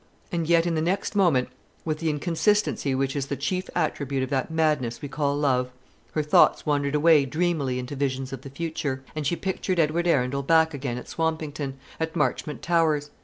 And yet in the next moment, with the inconsistency which is the chief attribute of that madness we call love, her thoughts wandered away dreamily into visions of the future; and she pictured Edward Arundel back again at Swampington, at Marchmont Towers.